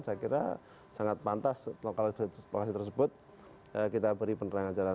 saya kira sangat pantas lokasi tersebut kita beri penerangan jalan